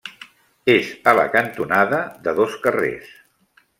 És a la cantonada de dos carrers.